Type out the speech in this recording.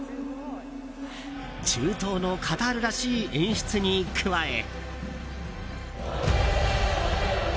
中東のカタールらしい演出に加え。